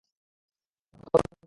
আমাকে অনুসরণ করুন।